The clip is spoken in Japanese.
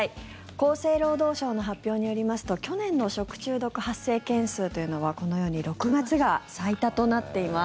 厚生労働省の発表によりますと去年の食中毒発生件数というのはこのように６月が最多となっています。